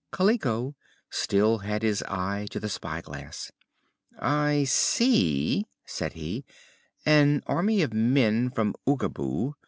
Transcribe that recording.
Kaliko still had his eye to the spyglass. "I see," said he, "an army of men from Oogaboo.